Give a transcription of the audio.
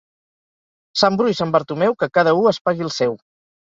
Sant Bru i sant Bartomeu, que cada u es pagui el seu.